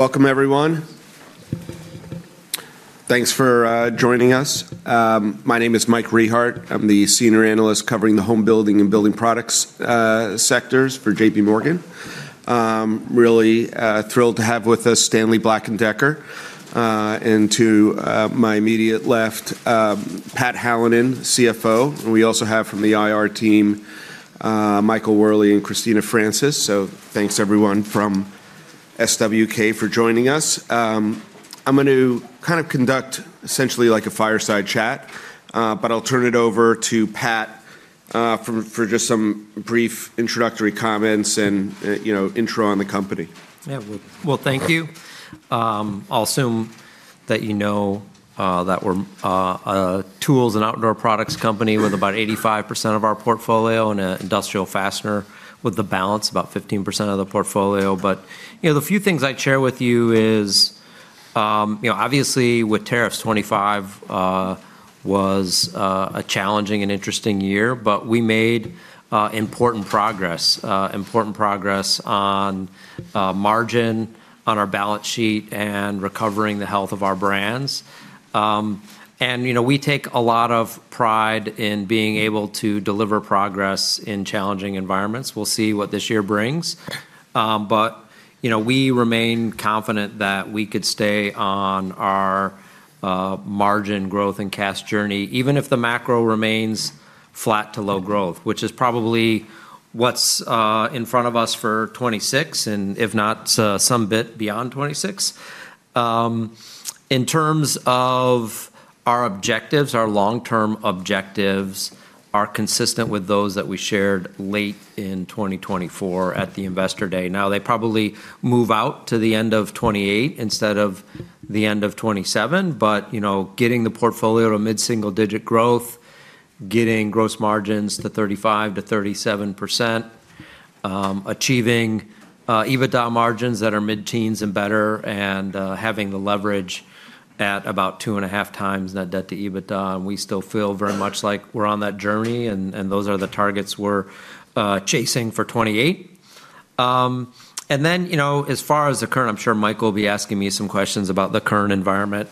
Welcome everyone. Thanks for joining us. My name is Mike Rehaut. I'm the senior analyst covering the home building and building products sectors for JPMorgan. Really thrilled to have with us Stanley Black & Decker and to my immediate left Pat Hallinan, CFO. We also have from the IR team Michael Wherley and Christina Francis. Thanks everyone from SWK for joining us. I'm going to kind of conduct essentially like a fireside chat but I'll turn it over to Pat for just some brief introductory comments and, you know, intro on the company. Yeah. Well, thank you. I'll assume that you know that we're a tools and outdoor products company with about 85% of our portfolio and an industrial fastener with the balance, about 15% of the portfolio. You know, the few things I'd share with you is, you know, obviously with tariffs, 2025 was a challenging and interesting year, but we made important progress. Important progress on margin, on our balance sheet, and recovering the health of our brands. You know, we take a lot of pride in being able to deliver progress in challenging environments. We'll see what this year brings. You know, we remain confident that we could stay on our margin growth and cash journey, even if the macro remains flat to low growth, which is probably what's in front of us for 2026, and if not, some bit beyond 2026. In terms of our objectives, our long-term objectives are consistent with those that we shared late in 2024 at the Investor Day. Now, they probably move out to the end of 2028 instead of the end of 2027, but you know, getting the portfolio to mid-single-digit growth, getting gross margins to 35%-37%, achieving EBITDA margins that are mid-teens and better, and having the leverage at about 2.5 times net debt to EBITDA, and we still feel very much like we're on that journey and those are the targets we're chasing for 2028. Then, you know, as far as the current environment, I'm sure Michael will be asking me some questions about the current environment.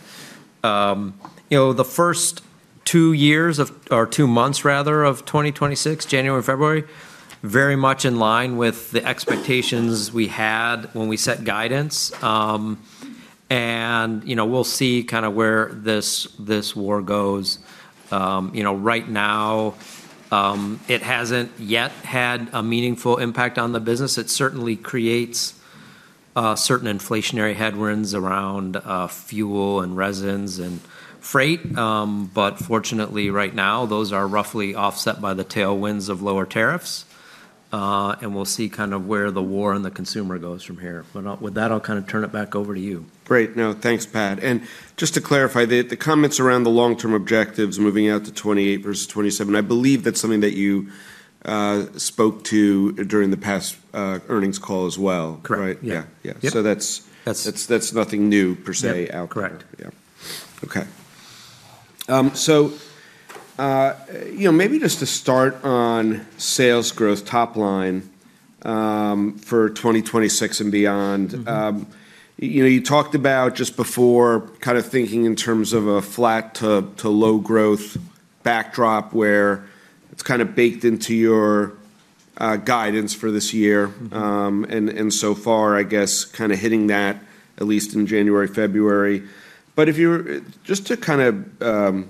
You know, the first two months of 2026, January and February, very much in line with the expectations we had when we set guidance. You know, we'll see kinda where this war goes. You know, right now, it hasn't yet had a meaningful impact on the business. It certainly creates certain inflationary headwinds around fuel and resins and freight. Fortunately right now, those are roughly offset by the tailwinds of lower tariffs. We'll see kind of where the war and the consumer goes from here. With that, I'll kind of turn it back over to you. Great. No, thanks, Pat. Just to clarify, the comments around the long-term objectives moving out to 2028 versus 2027, I believe that's something that you spoke to during the past earnings call as well. Correct. Right? Yeah. Yeah. Yeah. Yeah. So that's- That's- That's nothing new per se. Yep ...outlook. Correct. Yeah. Okay, you know, maybe just to start on sales growth top line for 2026 and beyond. Mm-hmm. You know, you talked about just before kind of thinking in terms of a flat to low growth backdrop where it's kinda baked into your guidance for this year. Mm-hmm. So far, I guess kinda hitting that at least in January, February. Just to kind of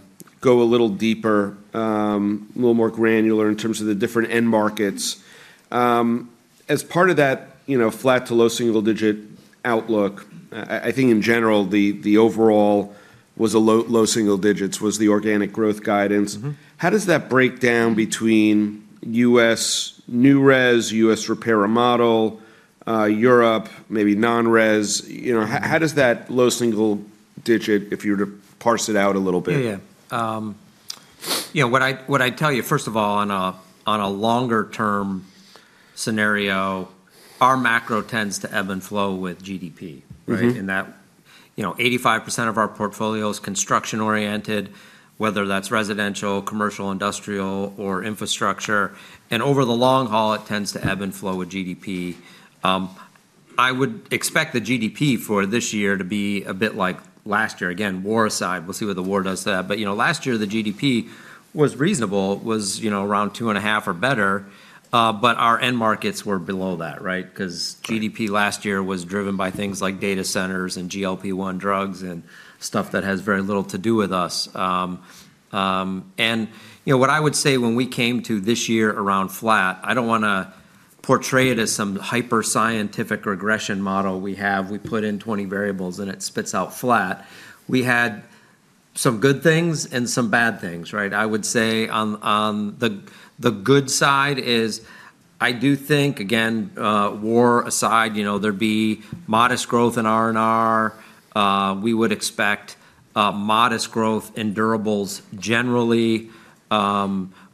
go a little deeper, a little more granular in terms of the different end markets, as part of that, you know, flat to low single-digit outlook. I think in general, the overall was a low single-digits was the organic growth guidance. Mm-hmm. How does that break down between U.S. new res, U.S. repair and remodel, Europe, maybe non-res? You know, how does that low single digit if you were to parse it out a little bit? Yeah. You know, what I'd tell you, first of all, on a longer term scenario, our macro tends to ebb and flow with GDP, right? Mm-hmm. In that, you know, 85% of our portfolio is construction oriented, whether that's residential, commercial, industrial, or infrastructure. Over the long haul, it tends to ebb and flow with GDP. I would expect the GDP for this year to be a bit like last year. Again, war aside, we'll see what the war does to that. You know, last year the GDP was reasonable, you know, around 2.5% or better, but our end markets were below that, right? Right GDP last year was driven by things like data centers and GLP-1 drugs and stuff that has very little to do with us. You know, what I would say when we came to this year around flat, I don't wanna portray it as some hyper-scientific regression model we have. We put in 20 variables, and it spits out flat. We had some good things and some bad things, right? I would say on the good side is I do think, again, war aside, you know, there'd be modest growth in R&R. We would expect modest growth in durables generally.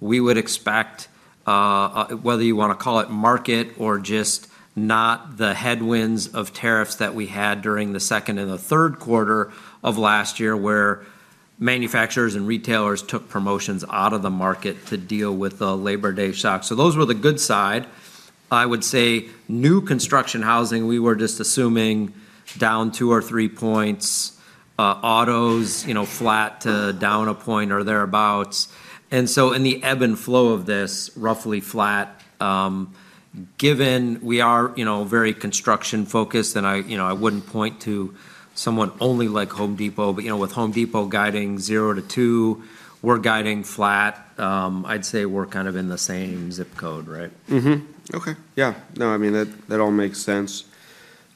We would expect, whether you wanna call it market or just not the headwinds of tariffs that we had during the second and the third quarter of last year, where manufacturers and retailers took promotions out of the market to deal with the Labor Day shock. Those were the good side. I would say new construction housing, we were just assuming down two or three points, autos, you know, flat to down a point or thereabout. In the ebb and flow of this, roughly flat, given we are, you know, very construction-focused, and I, you know, I wouldn't point to someone only like Home Depot, but, you know, with Home Depot guiding zerp to two, we're guiding flat, I'd say we're kind of in the same zip code, right? No, I mean, that all makes sense.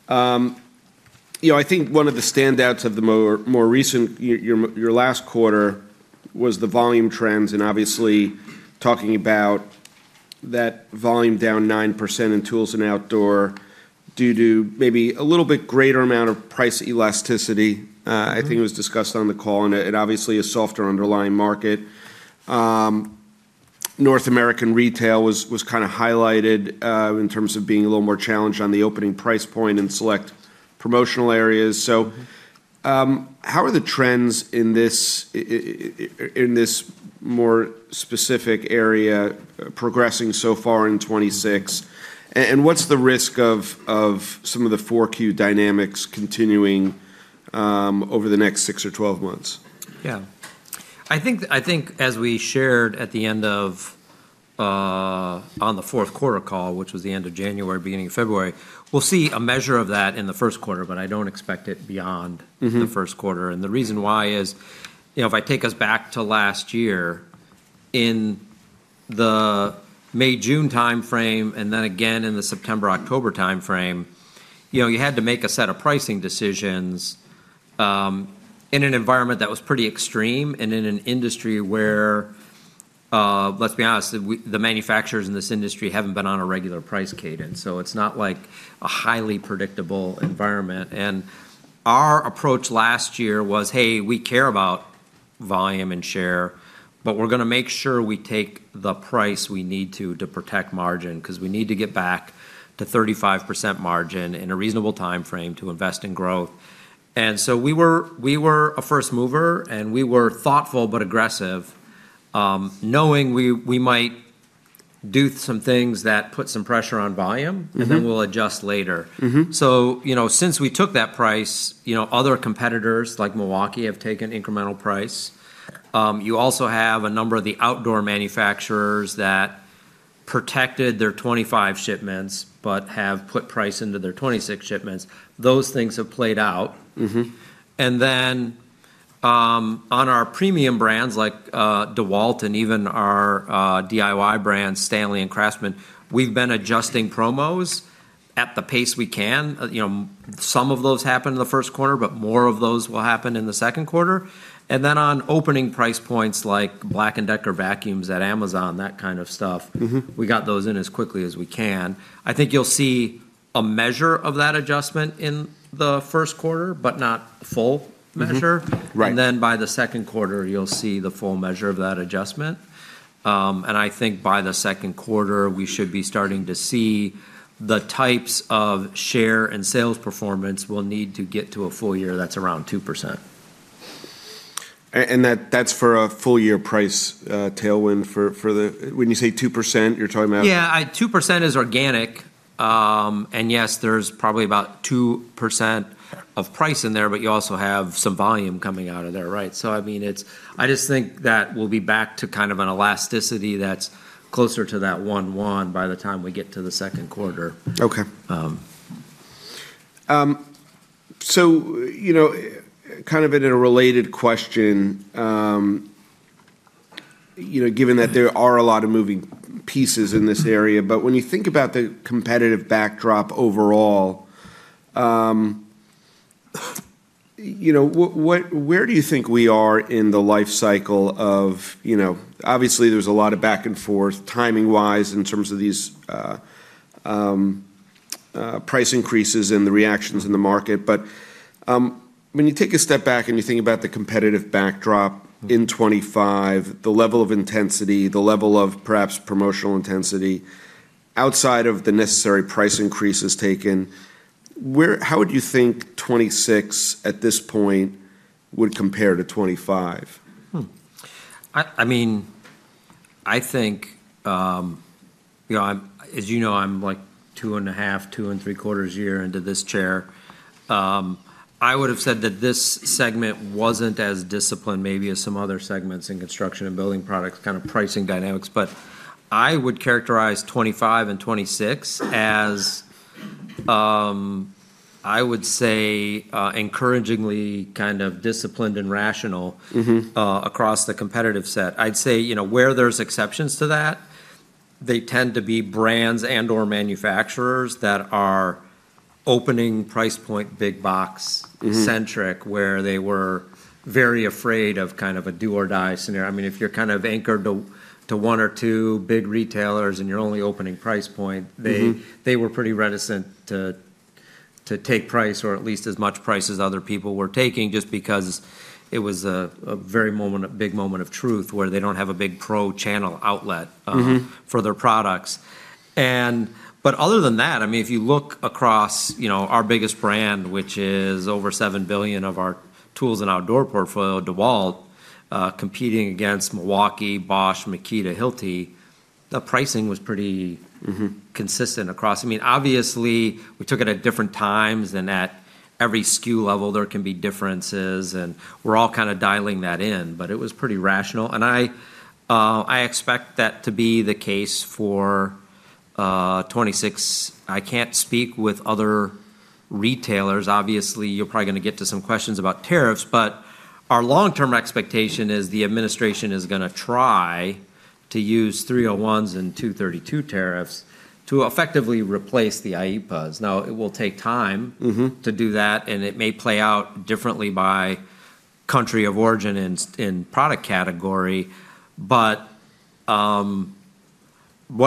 You know, I think one of the standouts of the more recent your last quarter was the volume trends and obviously talking about that volume down 9% in tools and outdoor due to maybe a little bit greater amount of price elasticity. Mm-hmm I think it was discussed on the call, and it's obviously a softer underlying market. North American retail was kinda highlighted in terms of being a little more challenged on the opening price point and select promotional areas. How are the trends in this more specific area progressing so far in 2026? What's the risk of some of the Q4 dynamics continuing over the next six or 12 months? Yeah. I think as we shared at the end of, on the fourth quarter call, which was the end of January, beginning of February, we'll see a measure of that in the first quarter, but I don't expect it beyond. Mm-hmm... the first quarter. The reason why is, you know, if I take us back to last year, in the May-June timeframe, and then again in the September-October timeframe, you know, you had to make a set of pricing decisions, in an environment that was pretty extreme and in an industry where, let's be honest, the manufacturers in this industry haven't been on a regular price cadence. It's not like a highly predictable environment. Our approach last year was, "Hey, we care about volume and share, but we're gonna make sure we take the price we need to protect margin, 'cause we need to get back to 35% margin in a reasonable timeframe to invest in growth." We were a first mover, and we were thoughtful but aggressive, knowing we might do some things that put some pressure on volume. Mm-hmm We'll adjust later. Mm-hmm. You know, since we took that price, you know, other competitors like Milwaukee have taken incremental price. You also have a number of the outdoor manufacturers that protected their 2025 shipments but have put price into their 2026 shipments. Those things have played out. Mm-hmm. On our premium brands like DEWALT and even our DIY brands, STANLEY and CRAFTSMAN, we've been adjusting promos at the pace we can. You know, some of those happened in the first quarter, but more of those will happen in the second quarter. On opening price points like BLACK+DECKER vacuums at Amazon, that kind of stuff. Mm-hmm We got those in as quickly as we can. I think you'll see a measure of that adjustment in the first quarter, but not full measure. Mm-hmm. Right. By the second quarter, you'll see the full measure of that adjustment. I think by the second quarter, we should be starting to see the types of share and sales performance we'll need to get to a full year that's around 2%. That's for a full year price tailwind. When you say 2%, you're talking about Yeah. 2% is organic. Yes, there's probably about 2% of price in there, but you also have some volume coming out of there, right? I mean, it's. I just think that we'll be back to kind of an elasticity that's closer to that 1:1 by the time we get to the second quarter. Okay. Um... You know, kind of in a related question, you know, given that there are a lot of moving pieces in this area, but when you think about the competitive backdrop overall, you know, where do you think we are in the life cycle of, you know, obviously there's a lot of back and forth timing-wise in terms of these price increases and the reactions in the market. When you take a step back and you think about the competitive backdrop in 2025, the level of intensity, the level of perhaps promotional intensity, outside of the necessary price increases taken, how would you think 2026 at this point would compare to 2025? I mean, I think, you know, as you know, I'm like 2.5-2.75 years into this chair. I would have said that this segment wasn't as disciplined maybe as some other segments in construction and building products, kind of pricing dynamics. I would characterize 2025 and 2026 as, I would say, encouragingly kind of disciplined and rational. Mm-hmm... across the competitive set. I'd say, you know, where there's exceptions to that, they tend to be brands and/or manufacturers that are opening price point big box-centric, where they were very afraid of kind of a do or die scenario. I mean, if you're kind of anchored to one or two big retailers and you're only opening price point. Mm-hmm... they were pretty reticent to take price or at least as much price as other people were taking just because it was a big moment of truth where they don't have a big pro channel outlet. Mm-hmm... for their products. Other than that, I mean, if you look across, you know, our biggest brand, which is over $7 billion of our tools and outdoor portfolio, DEWALT, competing against Milwaukee, Bosch, Makita, Hilti. The pricing was pretty. Mm-hmm... consistent across. I mean, obviously we took it at different times, and at every SKU level there can be differences, and we're all kinda dialing that in, but it was pretty rational. I expect that to be the case for 2026. I can't speak with other retailers. Obviously, you're probably gonna get to some questions about tariffs, but our long-term expectation is the administration is gonna try to use 301s and 232 tariffs to effectively replace the IEEPA's. Now, it will take time. Mm-hmm... to do that, and it may play out differently by country of origin and product category. What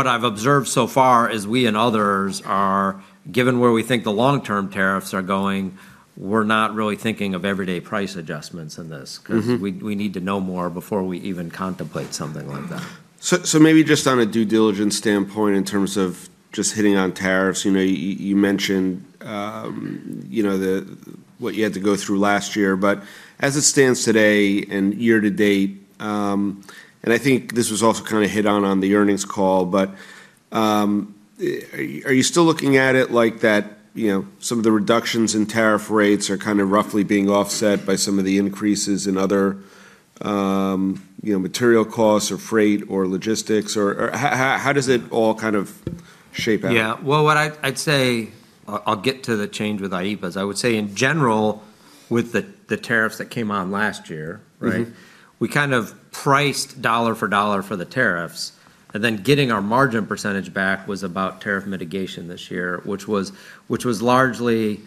I've observed so far is we and others are, given where we think the long-term tariffs are going, we're not really thinking of everyday price adjustments in this- Mm-hmm 'Cause we need to know more before we even contemplate something like that. Maybe just on a due diligence standpoint in terms of just hitting on tariffs, you know, you mentioned what you had to go through last year. As it stands today and year to date, and I think this was also kind of hit on in the earnings call, but are you still looking at it like that, you know, some of the reductions in tariff rates are kind of roughly being offset by some of the increases in other, you know, material costs or freight or logistics? Or how does it all kind of shake out? Yeah. Well, I'd say, I'll get to the change with IEEPA's. I would say in general with the tariffs that came on last year, right? Mm-hmm. We kind of priced dollar for dollar for the tariffs, and then getting our margin percentage back was about tariff mitigation this year, which was largely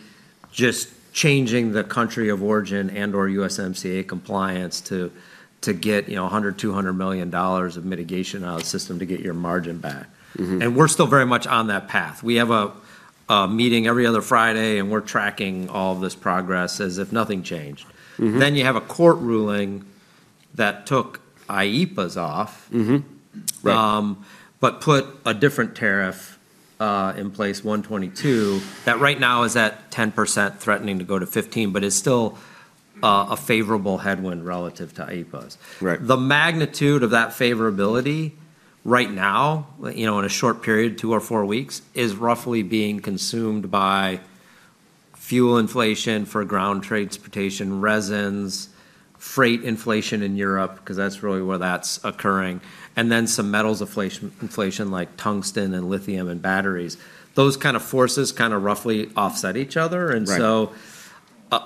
just changing the country of origin and/or USMCA compliance to get, you know, $100-$200 million of mitigation out of the system to get your margin back. Mm-hmm. We're still very much on that path. We have a meeting every other Friday, and we're tracking all this progress as if nothing changed. Mm-hmm. You have a court ruling that took IEEPA's off- Right. put a different tariff in place, 122, that right now is at 10% threatening to go to 15, but is still a favorable headwind relative to IEEPA's. Right. The magnitude of that favorability right now, you know, in a short period, two or four weeks, is roughly being consumed by fuel inflation for ground transportation, resins, freight inflation in Europe, 'cause that's really where that's occurring, and then some metals inflation like tungsten and lithium in batteries. Those kind of forces kind of roughly offset each other. Right.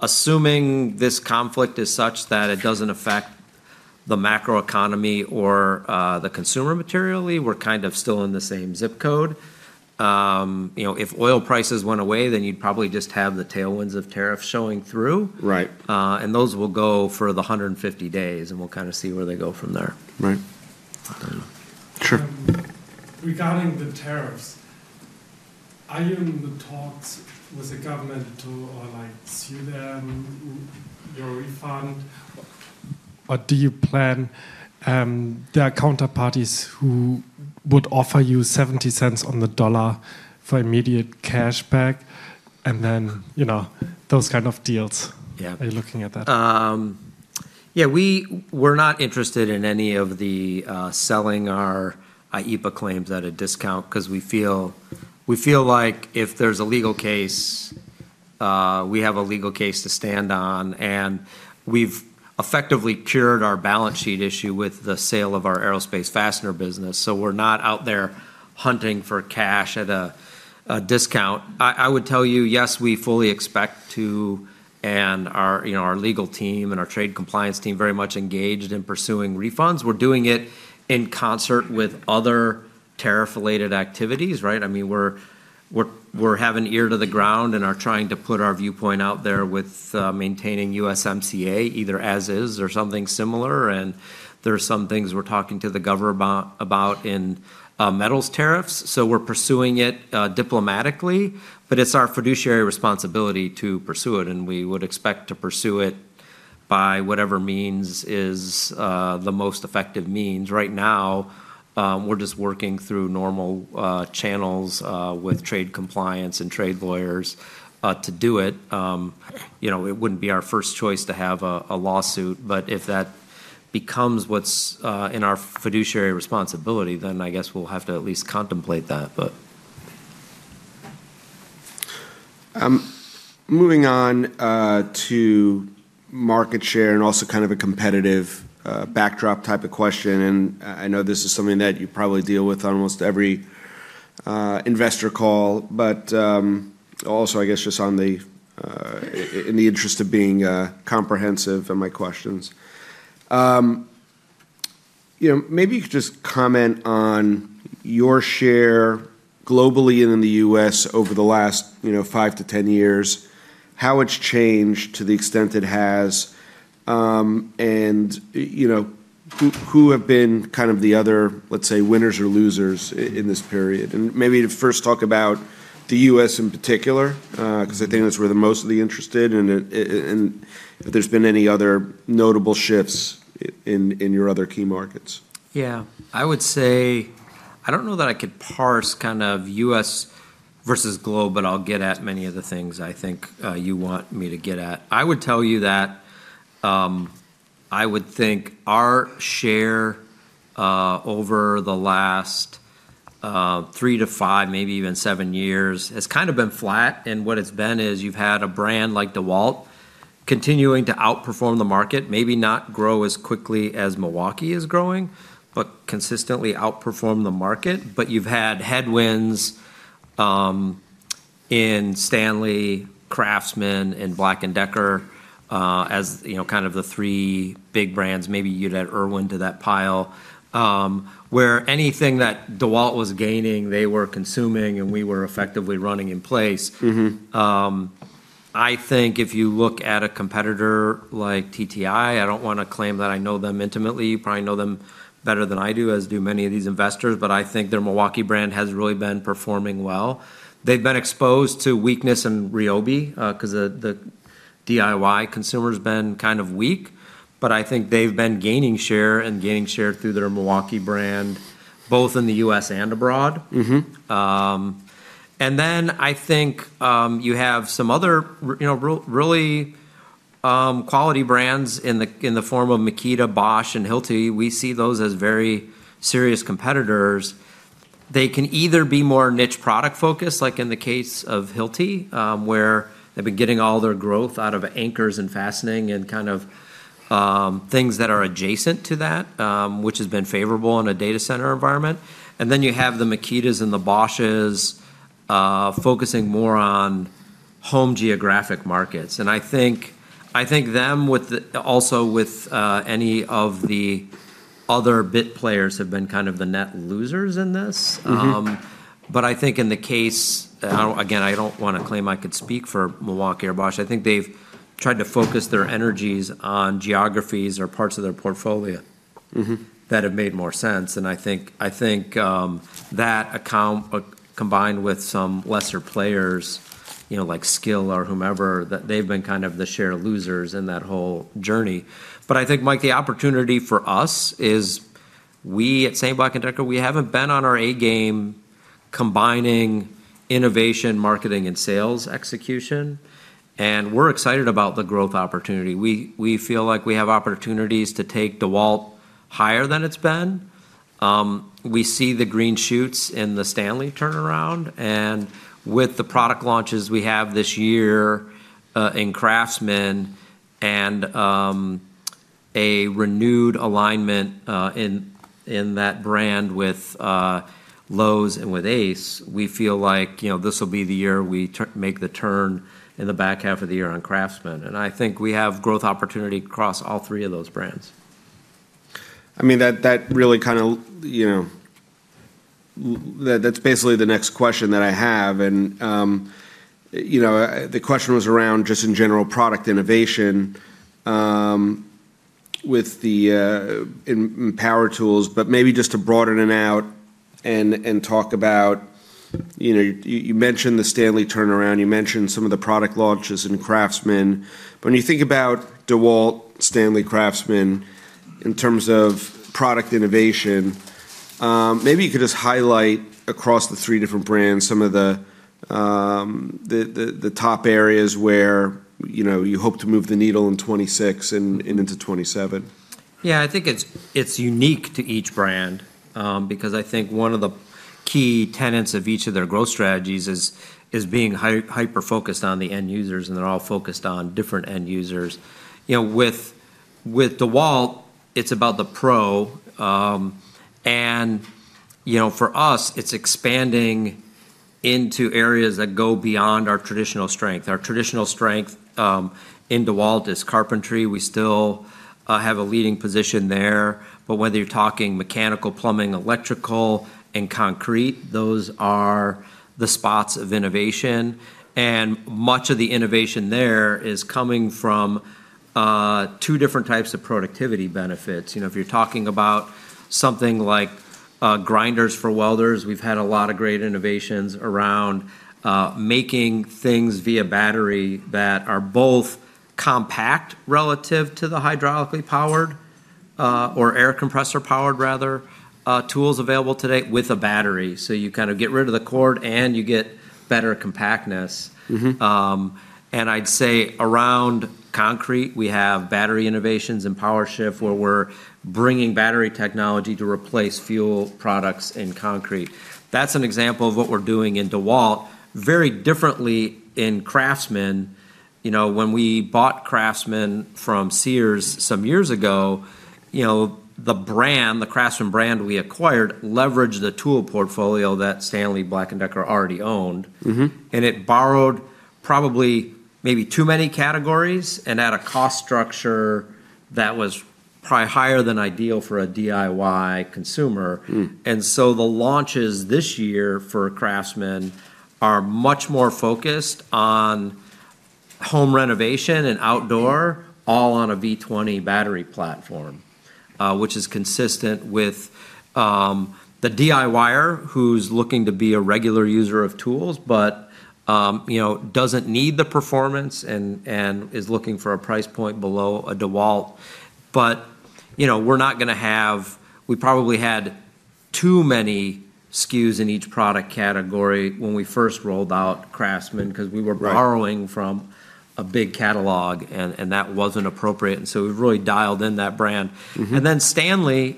Assuming this conflict is such that it doesn't affect the macroeconomy or the consumer materially, we're kind of still in the same zip code. You know, if oil prices went away, then you'd probably just have the tailwinds of tariffs showing through. Right. Those will go for the 150 days, and we'll kind of see where they go from there. Right. I don't know. Sure. Regarding the tariffs, are you in the talks with the government to sue them or refund, or do you plan? There are counterparties who would offer you $0.70 on the dollar for immediate cash back and then, you know, those kind of deals. Yeah. Are you looking at that? Yeah, we're not interested in any of the selling our IEEPA claims at a discount, 'cause we feel like if there's a legal case, we have a legal case to stand on. We've effectively cured our balance sheet issue with the sale of our aerospace fastener business, so we're not out there hunting for cash at a discount. I would tell you, yes, we fully expect to, and our, you know, our legal team and our trade compliance team very much engaged in pursuing refunds. We're doing it in concert with other tariff-related activities, right? I mean, we're having ear to the ground and are trying to put our viewpoint out there with maintaining USMCA either as is or something similar. There are some things we're talking to the government about in metals tariffs. We're pursuing it diplomatically, but it's our fiduciary responsibility to pursue it, and we would expect to pursue it by whatever means is the most effective means. Right now, we're just working through normal channels with trade compliance and trade lawyers to do it. You know, it wouldn't be our first choice to have a lawsuit, but if that becomes what's in our fiduciary responsibility, then I guess we'll have to at least contemplate that, but. Moving on to market share and also kind of a competitive backdrop type of question, and I know this is something that you probably deal with almost every investor call. Also I guess just on, in the interest of being comprehensive in my questions. You know, maybe you could just comment on your share globally and in the U.S. over the last, you know, five-10 years, how it's changed to the extent it has, and you know, who have been kind of the other, let's say, winners or losers in this period? Maybe first talk about the U.S. in particular, 'cause I think that's where the most of the interest is, and if there's been any other notable shifts in your other key markets. Yeah. I would say, I don't know that I could parse kind of U.S. versus global, but I'll get at many of the things I think you want me to get at. I would tell you that I would think our share over the last three-five, maybe even seven years has kind of been flat. What it's been is you've had a brand like DEWALT continuing to outperform the market, maybe not grow as quickly as Milwaukee is growing, but consistently outperform the market. You've had headwinds in STANLEY, CRAFTSMAN, and BLACK+DECKER as you know kind of the three big brands, maybe you'd add IRWIN to that pile where anything that DEWALT was gaining, they were consuming, and we were effectively running in place. Mm-hmm. I think if you look at a competitor like TTI, I don't wanna claim that I know them intimately. You probably know them better than I do, as do many of these investors, but I think their Milwaukee brand has really been performing well. They've been exposed to weakness in Ryobi, 'cause the DIY consumer's been kind of weak. I think they've been gaining share through their Milwaukee brand, both in the U.S. and abroad. Mm-hmm. I think you have some other you know, really quality brands in the form of Makita, Bosch, and Hilti. We see those as very serious competitors. They can either be more niche product-focused, like in the case of Hilti, where they've been getting all their growth out of anchors and fastening and kind of things that are adjacent to that, which has been favorable in a data center environment. You have the Makitas and the Bosches focusing more on home geographic markets. I think them also with any of the other bit players have been kind of the net losers in this. Mm-hmm. I think in the case, again, I don't wanna claim I could speak for Milwaukee or Bosch. I think they've tried to focus their energies on geographies or parts of their portfolio. Mm-hmm that have made more sense. I think that combined with some lesser players, you know, like SKIL or whomever, that they've been kind of the share losers in that whole journey. I think, Mike, the opportunity for us is we at Stanley Black & Decker, we haven't been on our A game combining innovation, marketing, and sales execution, and we're excited about the growth opportunity. We feel like we have opportunities to take DEWALT higher than it's been. We see the green shoots in the STANLEY turnaround, and with the product launches we have this year in CRAFTSMAN and a renewed alignment in that brand with Lowe's and with Ace, we feel like, you know, this will be the year we make the turn in the back half of the year on CRAFTSMAN. I think we have growth opportunity across all three of those brands. I mean, that really kinda like you know. That's basically the next question that I have. You know, the question was around just in general product innovation within power tools, but maybe just to broaden it out and talk about, you know, you mentioned the STANLEY turnaround, you mentioned some of the product launches in CRAFTSMAN. When you think about DEWALT, STANLEY, CRAFTSMAN in terms of product innovation, maybe you could just highlight across the three different brands some of the top areas where, you know, you hope to move the needle in 2026 and into 2027. Yeah. I think it's unique to each brand, because I think one of the key tenets of each of their growth strategies is being hyper-focused on the end users, and they're all focused on different end users. You know, with DEWALT, it's about the pro. You know, for us, it's expanding into areas that go beyond our traditional strength. Our traditional strength in DEWALT is carpentry. We still have a leading position there. Whether you're talking mechanical, plumbing, electrical, and concrete, those are the spots of innovation, and much of the innovation there is coming from two different types of productivity benefits. You know, if you're talking about something like grinders for welders, we've had a lot of great innovations around making things via battery that are both compact relative to the hydraulically powered or air compressor powered rather tools available today with a battery. You kind of get rid of the cord, and you get better compactness. Mm-hmm. I'd say around concrete, we have battery innovations and power shift where we're bringing battery technology to replace fuel products in concrete. That's an example of what we're doing in DEWALT. Very differently in CRAFTSMAN, you know, when we bought CRAFTSMAN from Sears some years ago, you know, the brand, the CRAFTSMAN brand we acquired leveraged the tool portfolio that Stanley Black & Decker already owned. Mm-hmm. It borrowed probably maybe too many categories and at a cost structure that was probably higher than ideal for a DIY consumer. Mm. The launches this year for CRAFTSMAN are much more focused on home renovation and outdoor, all on a V20 battery platform, which is consistent with the DIYer who's looking to be a regular user of tools but, you know, doesn't need the performance and is looking for a price point below a DEWALT. You know, we're not gonna have— We probably had too many SKUs in each product category when we first rolled out CRAFTSMAN, because we were- Right Borrowing from a big catalog and that wasn't appropriate, and so we've really dialed in that brand. Mm-hmm. Stanley,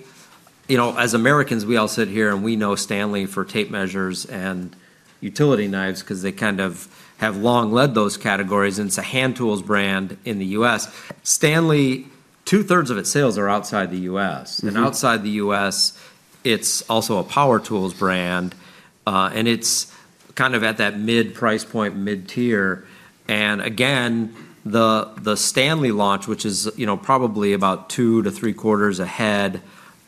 you know, as Americans, we all sit here and we know Stanley for tape measures and utility knives because they kind of have long led those categories, and it's a hand tools brand in the U.S. Stanley, two-thirds of its sales are outside the U.S. Mm-hmm. Outside the U.S., it's also a power tools brand, and it's kind of at that mid-price point, mid-tier. Again, the STANLEY launch, which is, you know, probably about two to three quarters ahead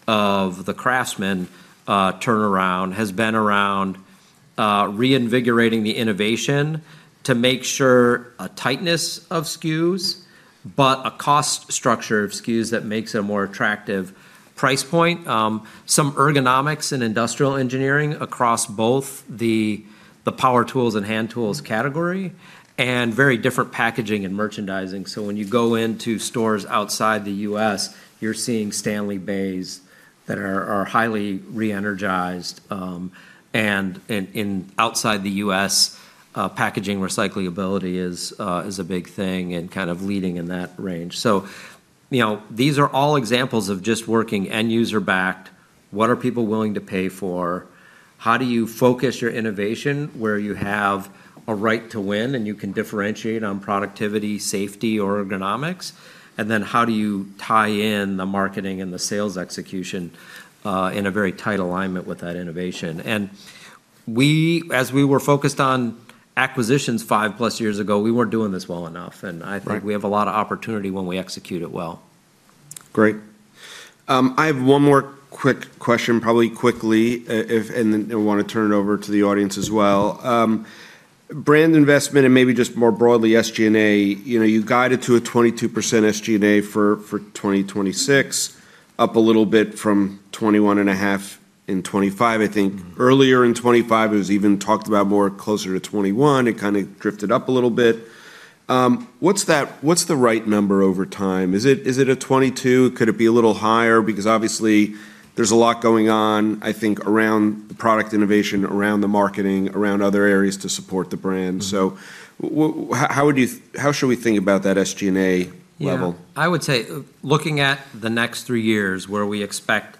of the CRAFTSMAN turnaround, has been around reinvigorating the innovation to make sure a tightness of SKUs, but a cost structure of SKUs that makes a more attractive price point. Some ergonomics and industrial engineering across both the power tools and hand tools category, and very different packaging and merchandising. When you go into stores outside the U.S., you're seeing STANLEY bays that are highly re-energized, and outside the U.S., packaging recyclability is a big thing and kind of leading in that range. You know, these are all examples of just working end user backed, what are people willing to pay for, how do you focus your innovation where you have a right to win and you can differentiate on productivity, safety, or ergonomics, and then how do you tie in the marketing and the sales execution, in a very tight alignment with that innovation. We, as we were focused on acquisitions five-plus years ago, we weren't doing this well enough, and I think- Right We have a lot of opportunity when we execute it well. Great. I have one more quick question, probably quickly, and then I want to turn it over to the audience as well. Brand investment and maybe just more broadly SG&A, you know, you guided to a 22% SG&A for 2026, up a little bit from 21.5% in 2025, I think. Mm-hmm. Earlier in 2025, it was even talked about more closer to 21. It kind of drifted up a little bit. What's the right number over time? Is it a 22? Could it be a little higher? Because obviously there's a lot going on, I think, around the product innovation, around the marketing, around other areas to support the brand. Mm-hmm. How should we think about that SG&A level? Yeah. I would say looking at the next three years where we expect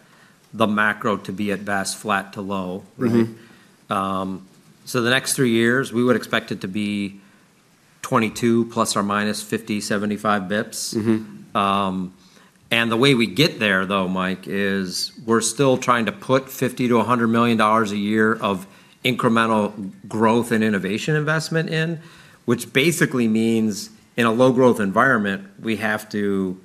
the macro to be at best flat to low, right? Mm-hmm. The next three years, we would expect it to be 22 ± 50-75 basis points. Mm-hmm. The way we get there, though, Mike, is we're still trying to put $50-$100 million a year of incremental growth and innovation investment in, which basically means in a low growth environment, we have to,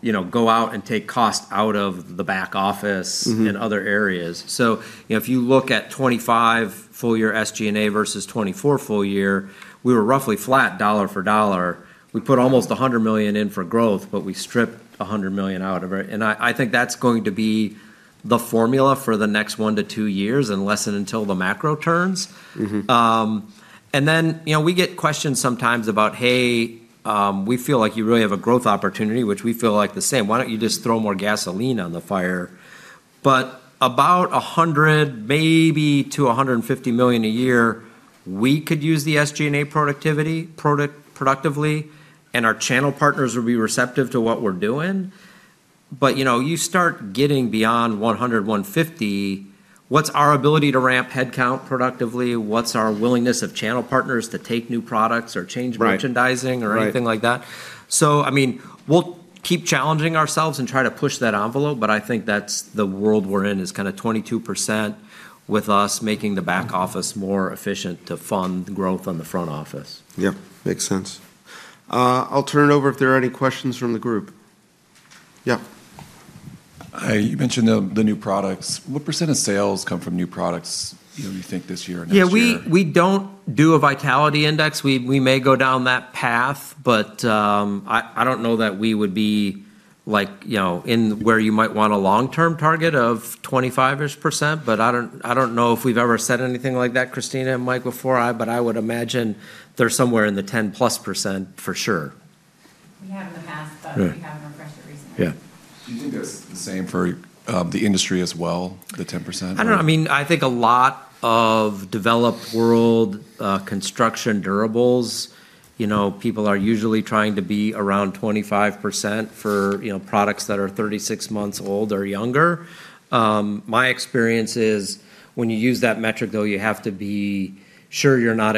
you know, go out and take cost out of the back office. Mm-hmm... and other areas. You know, if you look at 2025 full year SG&A versus 2024 full year, we were roughly flat dollar for dollar. We put almost $100 million in for growth, but we stripped $100 million out of it, and I think that's going to be the formula for the next one to two years unless and until the macro turns. Mm-hmm. And then, you know, we get questions sometimes about, "Hey, we feel like you really have a growth opportunity," which we feel like the same. "Why don't you just throw more gasoline on the fire?" About $100 million-$150 million a year, we could use the SG&A productivity productively, and our channel partners would be receptive to what we're doing. you know, you start getting beyond $100, $150, what's our ability to ramp headcount productively? What's our willingness of channel partners to take new products or change merchandising. Right, right.... or anything like that? I mean, we'll keep challenging ourselves and try to push that envelope, but I think that's the world we're in is kind of 22% with us making the back office more efficient to fund growth on the front office. Yeah. Makes sense. I'll turn it over if there are any questions from the group. Yeah. You mentioned the new products. What % of sales come from new products, you know, you think this year or next year? Yeah, we don't do a Vitality Index. We may go down that path, but I don't know that we would be, like, you know, in where you might want a long-term target of 25-ish%, but I don't know if we've ever said anything like that, Christina and Mike, before. I would imagine they're somewhere in the 10+% for sure. Right Yeah. That's the same for the industry as well, the 10%? I don't know. I mean, I think a lot of developed world, construction durables, you know, people are usually trying to be around 25% for, you know, products that are 36 months old or younger. My experience is when you use that metric, though, you have to be sure you're not,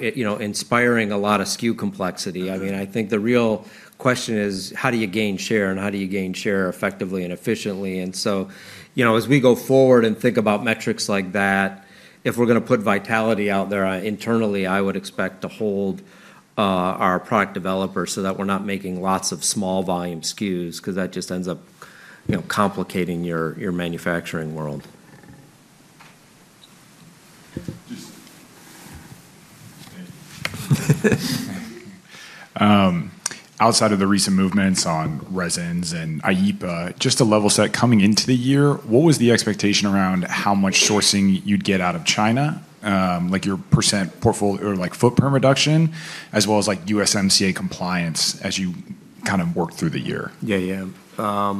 you know, inspiring a lot of SKU complexity. I mean, I think the real question is. How do you gain share, and how do you gain share effectively and efficiently? You know, as we go forward and think about metrics like that, if we're gonna put vitality out there, internally, I would expect to hold our product developers so that we're not making lots of small volume SKUs, 'cause that just ends up, you know, complicating your manufacturing world. Just outside of the recent movements on resins and IEEPA, just to level set, coming into the year, what was the expectation around how much sourcing you'd get out of China, like your percent portfolio or like footprint reduction, as well as like USMCA compliance as you Kind of work through the year. Yeah, yeah.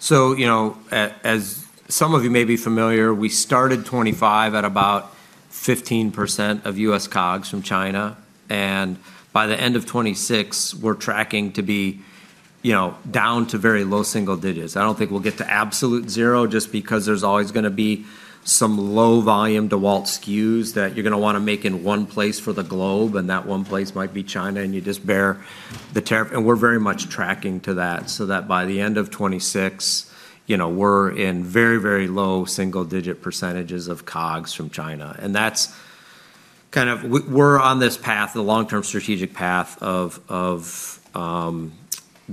So, you know, as some of you may be familiar, we started 2025 at about 15% of U.S. COGS from China, and by the end of 2026, we're tracking to be, you know, down to very low single digits. I don't think we'll get to absolute zero just because there's always gonna be some low volume DEWALT SKUs that you're gonna wanna make in one place for the globe, and that one place might be China, and you just bear the tariff. We're very much tracking to that, so that by the end of 2026, you know, we're in very, very low single digit percentages of COGS from China. That's kind of. We're on this path, the long-term strategic path of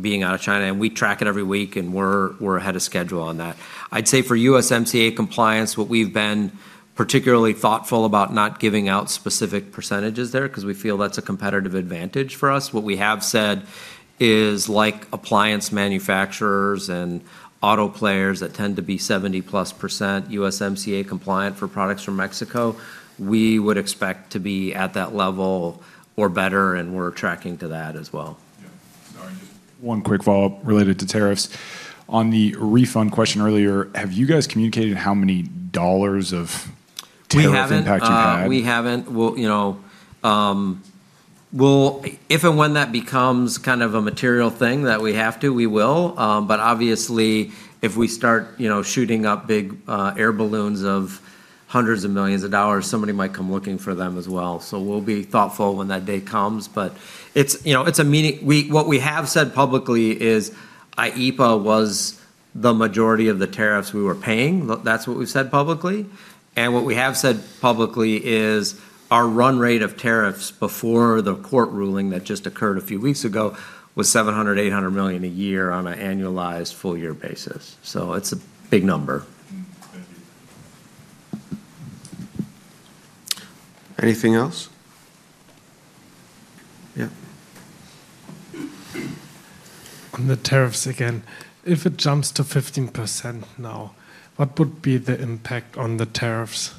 being out of China, and we track it every week and we're ahead of schedule on that. I'd say for USMCA compliance, what we've been particularly thoughtful about not giving out specific percentages there 'cause we feel that's a competitive advantage for us. What we have said is, like appliance manufacturers and auto players that tend to be 70%+ USMCA compliant for products from Mexico, we would expect to be at that level or better, and we're tracking to that as well. Yeah. Sorry, just one quick follow-up related to tariffs. On the refund question earlier, have you guys communicated how many dollars of tariff impact you've had? We haven't We haven't. We'll, you know, we'll. If and when that becomes kind of a material thing that we have to, we will. But obviously if we start, you know, shooting up big trial balloons of hundreds of millions of dollars, somebody might come looking for them as well. We'll be thoughtful when that day comes, but it's, you know, What we have said publicly is IEEPA was the majority of the tariffs we were paying. That's what we've said publicly. What we have said publicly is our run rate of tariffs before the court ruling that just occurred a few weeks ago was $700-$800 million a year on an annualized full-year basis. It's a big number. Thank you. Anything else? Yeah. On the tariffs again, if it jumps to 15% now, what would be the impact on the tariffs?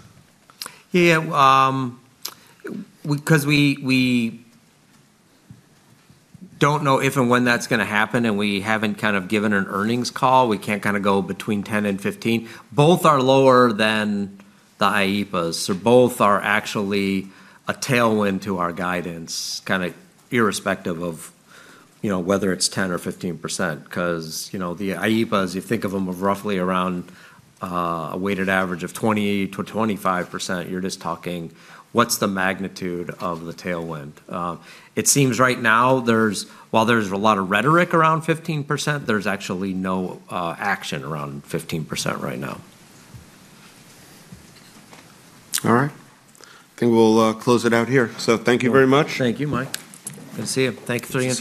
Yeah. 'Cause we don't know if and when that's gonna happen, and we haven't kind of given an earnings call, we can't kinda go between 10 and 15. Both are lower than the IEEPA, so both are actually a tailwind to our guidance, kinda irrespective of, you know, whether it's 10% or 15%. 'Cause, you know, the IEEPA, as you think of them, of roughly around a weighted average of 20%-25%, you're just talking what's the magnitude of the tailwind. It seems right now there's a lot of rhetoric around 15%, but there's actually no action around 15% right now. All right. I think we'll close it out here. Thank you very much. Thank you, Mike. Good to see you. Thank you for the answers.